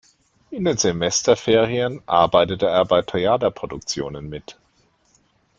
In den Semesterferien arbeitete er bei Theaterproduktionen mit.